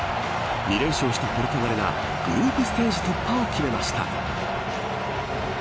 ２連勝したポルトガルがグループステージ突破を決めました。